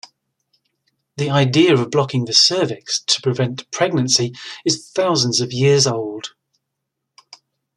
The idea of blocking the cervix to prevent pregnancy is thousands of years old.